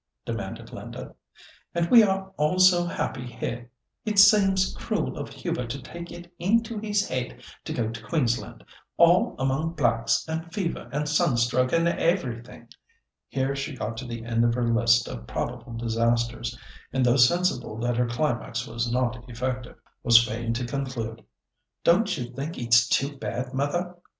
demanded Linda. "And we are all so happy here! It seems cruel of Hubert to take it into his head to go to Queensland—all among blacks, and fever, and sunstroke, and everything." Here she got to the end of her list of probable disasters, and though sensible that her climax was not effective, was fain to conclude, "Don't you think it's too bad, mother?"